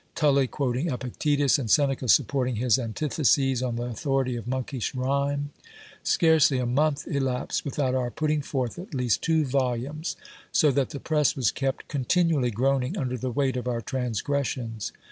Tully quoting Epictetus, and Seneca supporting his antitheses on the authority of monkish rhyme ! Scarcely a month elapsed vithout our putting forth at least two volumes, so that the press was kept con tinually groaning under the weight of our transgressions.